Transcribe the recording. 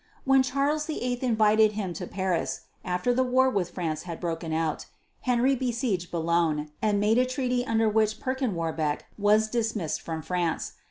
When Charles VIII invited him to Paris, after the war with France had broken out, Henry besieged Boulogne and made a treaty under which Perkin Warbeck was dismissed from France.